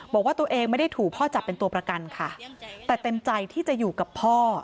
บอกว่าตัวเองไม่ได้ถูกพ่อจับเป็นตัวประกันค่ะแต่เต็มใจที่จะอยู่กับพ่อ